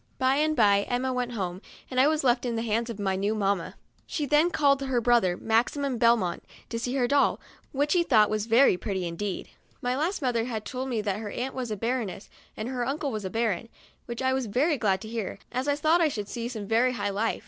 By and by Emma went home, and I was left in the hands of my new mamma. She then called her brother, Maximilian Bel mont, to see her doll, which he thought 20 MEMOIRS OF A was very pretty indeed. My last mother had told me that her aunt was a " baron ess," and her uncle a "baron," which I was very glad to hear, as I thought I should see some very high life.